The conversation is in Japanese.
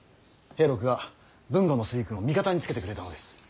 平六が豊後の水軍を味方につけてくれたのです。